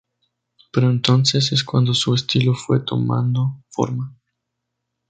Por entonces es cuando su estilo fue tomando forma.